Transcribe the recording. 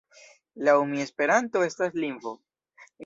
Laŭ mi Esperanto estas lingvo.